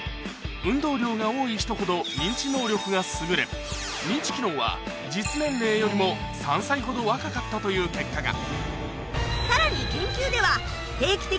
運動量が多い人ほど認知能力が優れ認知機能は実年齢よりも３歳ほど若かったという結果がさらに研究では。